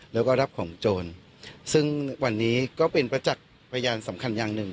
แล้วก็รับของโจรซึ่งวันนี้ก็เป็นประจักษ์พยานสำคัญอย่างหนึ่ง